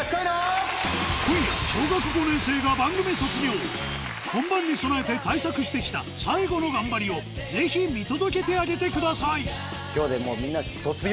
今夜小学５年生が番組卒業本番に備えて対策して来た最後の頑張りをぜひ見届けてあげてくださいみんな。